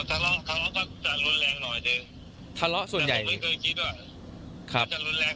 แต่หมดทะเลาะทะเลาะก็จะรุนแรงหน่อยจริง